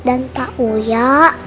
dan pak u ya